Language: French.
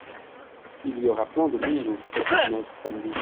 Il y aura plein de monde au fest-noz samedi.